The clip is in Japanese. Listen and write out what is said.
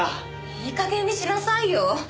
いい加減にしなさいよ。